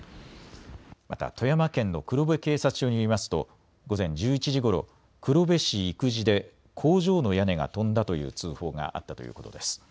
また富山県の黒部警察署によりますと午前１１時ごろ黒部市生地で工場の屋根が飛んだという通報があったということです。